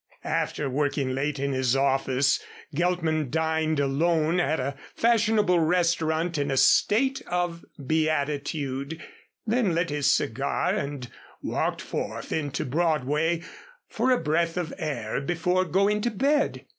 After working late in his office, Geltman dined alone at a fashionable restaurant in a state of beatitude, then lit his cigar and walked forth into Broadway for a breath of air before going to bed.